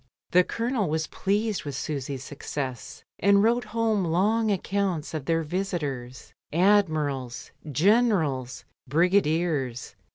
The Colonel was pleased with Susy's success, and wrote home long accounts of their visitors — admirals, generals, brigadiers.